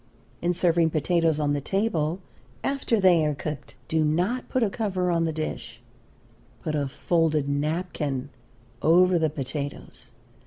In serving potatoes on the table after they are cooked, do not put a cover on the dish; put a folded napkin over the potatoes.